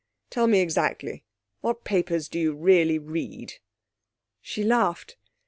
'Tell me exactly, what papers do you really read?' She laughed.